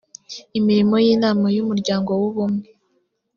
imirimo y inama y umuryango w ubumwe